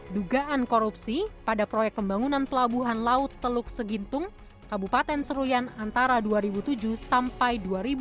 dugaan korupsi pada proyek pembangunan pelabuhan laut teluk segintung kabupaten seruyan antara dua ribu tujuh sampai dua ribu dua puluh